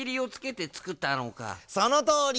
そのとおり！